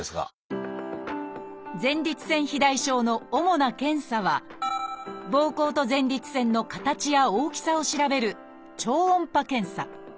前立腺肥大症の主な検査はぼうこうと前立腺の形や大きさを調べる「超音波検査」。